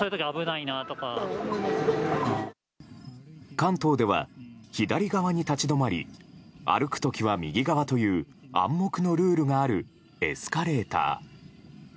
関東では左側に立ち止まり歩く時は右側という暗黙のルールがあるエスカレーター。